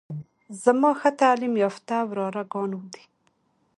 زما ښه تعليم يافته وراره ګان دي.